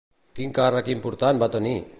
Quin càrrec important va tenir?